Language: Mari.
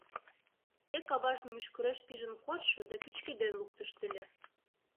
Тек аважын мӱшкыреш пижын кодшо да пӱчкеден луктышт ыле.